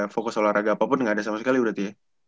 fokus olahraga apapun nggak ada sama sekali berarti ya